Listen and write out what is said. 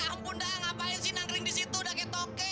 ampun dah ngapain sih nang ring di situ daki tokek